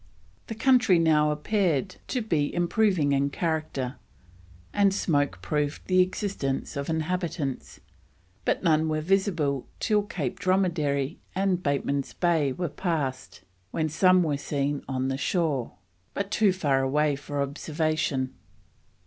The country now appeared to be improving in character, and smoke proved the existence of inhabitants, but none were visible till Cape Dromedary and Bateman's Bay were passed, when some were seen on the shore, but too far away for observation.